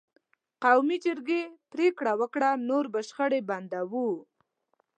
قومي جرګې پرېکړه وکړه: نور به شخړې بندوو.